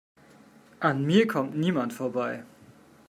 An mir kommt niemand vorbei!